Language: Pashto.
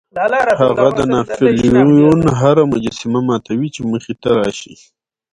هغه د ناپلیون هره مجسمه ماتوي چې مخې ته راشي.